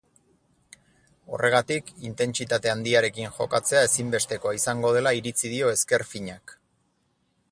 Horregatik, intentsitate handiarekin jokatzea ezinbestekoa izango dela iritzi dio ezker finak.